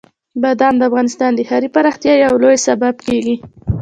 بادام د افغانستان د ښاري پراختیا یو لوی سبب کېږي.